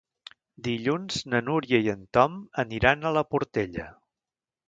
Dilluns na Núria i en Tom aniran a la Portella.